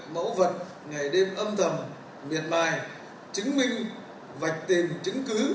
mẫu vật ngày đêm âm thầm miệt mài chứng minh vạch tìm chứng cứ